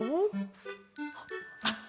あっ！